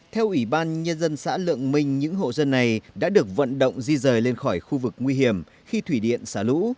theo ủy ban nhân dân xã lượng minh những hộ dân này đã được vận động di rời lên khỏi khu vực nguy hiểm khi thủy điện xả lũ